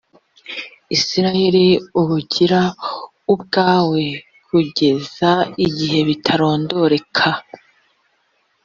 isirayeli ubugira ubwawe h kugeza ibihe bitarondoreka